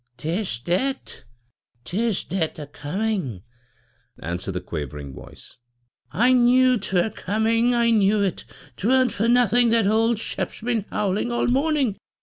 "'Tis death, 'tis death a coming," answered the quavering voice; "I knew 'twere coming. I knew it. 'Tweren't for nothing that old Shep's been howling all morning.